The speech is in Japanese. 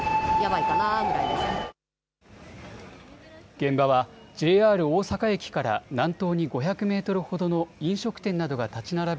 現場はＪＲ大阪駅から南東に５００メートルほどの飲食店などが立ち並ぶ